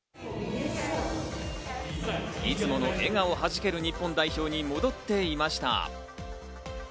いつもの笑顔はじける日本代表に戻っていました。